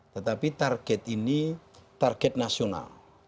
tetapi target ini target nasional